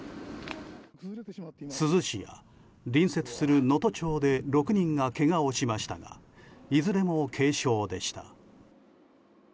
珠洲市や、隣接する能登町で６人がけがをしましたがいずれも軽傷でした。